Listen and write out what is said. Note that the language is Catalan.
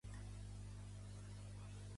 Pertany al moviment independentista la Mariola?